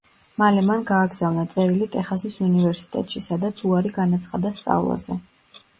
მალე მან გააგზავნა წერილი ტეხასის უნივერსიტეტში, სადაც უარი განაცხადა სწავლაზე.